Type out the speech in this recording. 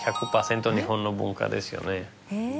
１００パーセント日本の文化ですよね。